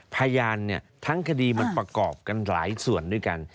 พยานทั้งคดีมันประกอบกันหลายส่วนด้วยกัน